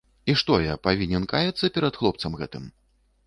І што я, павінен каяцца перад хлопцам гэтым?